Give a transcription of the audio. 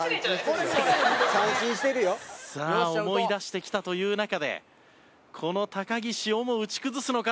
さあ思い出してきたという中でこの高岸をも打ち崩すのか？